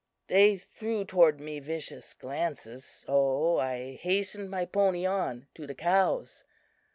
They threw toward me vicious glances, so I hastened my pony on to the cows.